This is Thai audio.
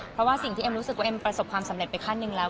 เพราะว่าสิ่งที่เอ็มรู้สึกว่าเอ็มประสบความสำเร็จไปขั้นหนึ่งแล้ว